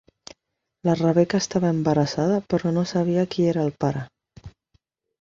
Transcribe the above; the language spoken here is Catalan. La Rebeca estava embarassada però no sabia qui era el pare.